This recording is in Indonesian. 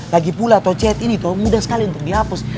lagipula toh cet ini toh mudah sekali untuk dihapus